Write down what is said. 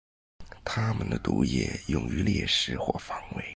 它们的毒液用于猎食或防卫。